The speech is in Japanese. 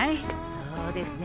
そうですね。